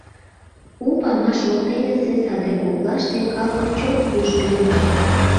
У памаш воктенысе садер коклаште калык чот рӱжген.